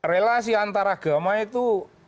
relasi antaragama itu